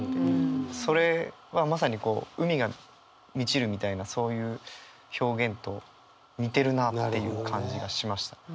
それはまさにこう「海が満ちる」みたいなそういう表現と似てるなっていう感じがしました。